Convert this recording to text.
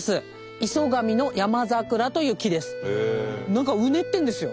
何かうねってるんですよ。